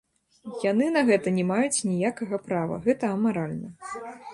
Яны на гэта не маюць ніякага права, гэта амаральна.